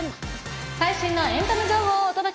最新のエンタメ情報をお届け。